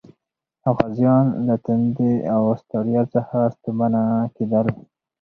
غازیان له تندې او ستړیا څخه ستومانه کېدل.